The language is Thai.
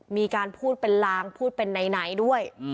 มีการพูดเป็นลางพูดเป็นไหนด้วย